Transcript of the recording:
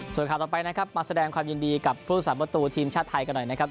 ส่วนข่าวต่อไปนะครับมาแสดงความยินดีกับผู้สามประตูทีมชาติไทยกันหน่อยนะครับ